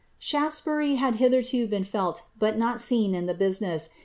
^ Sh;i:'[»>bury had liiiherto bren ftli but not seen in the businejs.